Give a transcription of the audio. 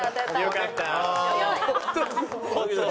よかった。